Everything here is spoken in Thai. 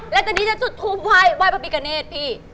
แล้วทีนี้จะจุดทูปว่ายประพิกาเนศพี่